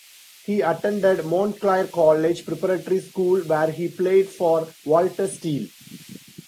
He attended Montclair College Preparatory School where he played for Walter Steele.